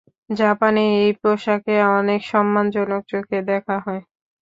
জাপানে এই পেশাকে অনেক সম্মানজনক চোখে দেখা হয়।